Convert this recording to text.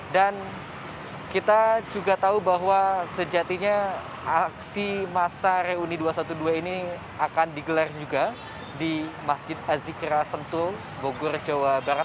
dan kita juga tahu bahwa sejatinya aksi masa reuni dua ratus dua belas ini akan digelar juga di masjid azikra sentul bogor jawa barat